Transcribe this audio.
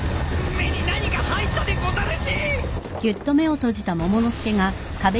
目に何か入ったでござるし！